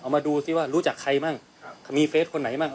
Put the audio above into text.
มาดูซิว่ารู้จักใครบ้างมีเฟสคนไหนบ้าง